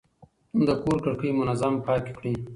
د کور کړکۍ منظم پاکې کړئ.